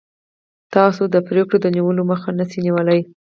تاسو د پرېکړو د نیولو مخه نشئ نیولی.